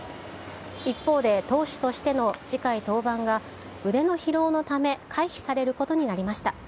一方で、投手としての次回登板が、腕の疲労のため回避されることになりました。